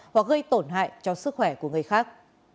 hoặc gây tổn hại cho sức khỏe của người khác